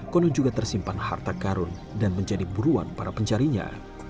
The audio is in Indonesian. konon juga tersimpan harta karun dan menjadi buruan para pencarinya